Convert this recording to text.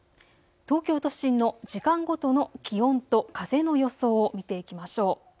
東京都心の時間ごとの気温と風の予想を見ていきましょう。